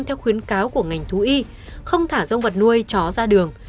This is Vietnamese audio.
theo khuyến cáo của ngành thú y không thả rông vật nuôi chó ra đường